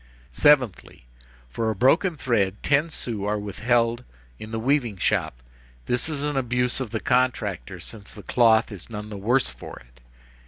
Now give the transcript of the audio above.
"Seventhly: for a broken thread ten sous are withheld in the weaving shop; this is an abuse of the contractor, since the cloth is none the worse for it.